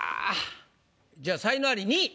じゃあ才能アリ２位。